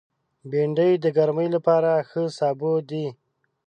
بېنډۍ د ګرمۍ لپاره ښه سابه دی